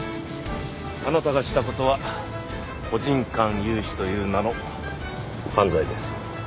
あなたがした事は個人間融資という名の犯罪です。